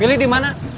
pilih di mana